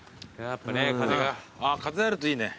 風あるといいね。